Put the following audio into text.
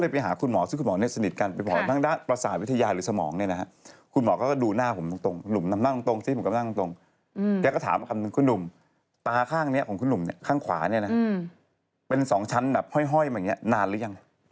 เป็นสองชั้นแบบเฮ้ยมานี่นานรึยัง